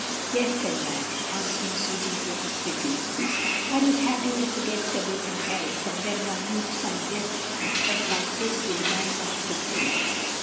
"Yes," said Max, answering Susy's look of pity, "one is happy and forgets everything else, and then one meets some death's head like this to remind one of the truth.